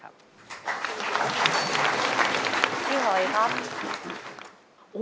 กลับมาฟังเพลง